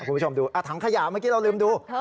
คุณผู้ชมดูถังขยะเมื่อกี้เราลืมดู